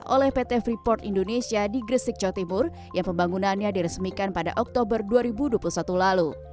oleh pt freeport indonesia di gresik jawa timur yang pembangunannya diresmikan pada oktober dua ribu dua puluh satu lalu